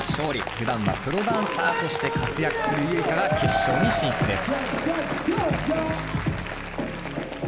ふだんはプロダンサーとして活躍するＹｕｉｋａが決勝に進出です。